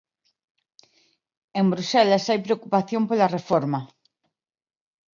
En Bruxelas hai preocupación pola reforma.